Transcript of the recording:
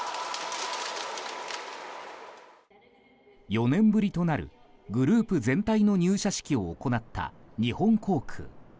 ４年ぶりとなるグループ全体の入社式を行った、日本航空。